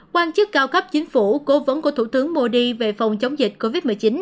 quan chức cao cấp chính phủ cố vấn của thủ tướng modi về phòng chống dịch covid một mươi chín